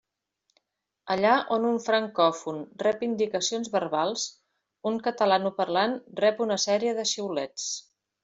Allà on un francòfon rep indicacions verbals, un catalanoparlant rep una sèrie de xiulets.